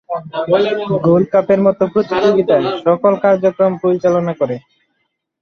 Gold কাপের মতো প্রতিযোগিতার সকল কার্যক্রম পরিচালনা করে।